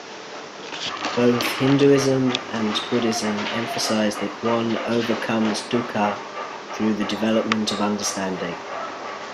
Both Hinduism and Buddhism emphasize that one overcomes "dukha" through the development of understanding.